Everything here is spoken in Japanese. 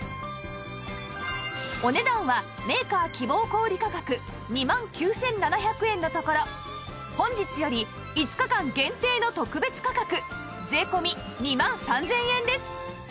お値段はメーカー希望小売価格２万９７００円のところ本日より５日間限定の特別価格税込２万３０００円です